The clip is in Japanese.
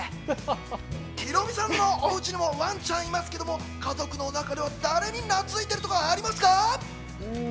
ヒロミさんのお家にもワンちゃんいますけども、家族の中では誰になついているとかありますか？